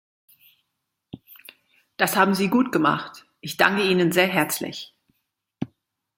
Das haben Sie gut gemacht, ich danke Ihnen sehr herzlich.